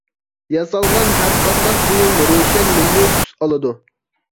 ياسالغان ھەر قانداق بۇيۇم روشەن مىلى تۈس ئالىدۇ.